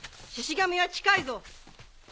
神は近いぞ。